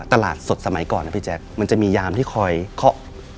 ตลาดสดสมัยก่อนนะพี่แจ๊คมันจะมียามที่คอยเคาะ